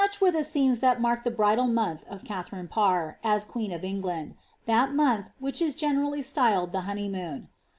>re the scenes that marked the bridal month of Katharine leen of England — that month which is generally styled the n.